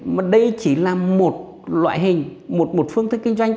mà đây chỉ là một loại hình một phương thức kinh doanh